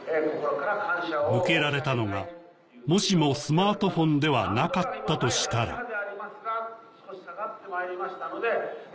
向けられたのがもしもスマートフォンではなかったとしたら頑張ろう！